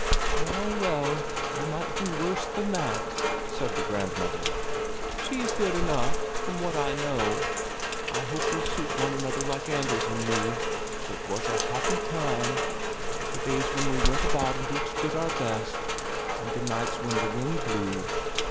"Well, well, you might do worse than that!" said the grandmother. "She's good enough—from what I know. I hope you'll suit one another like Anders and me. It was a happy time—the days when we went about and each did our best, and the nights when the wind blew.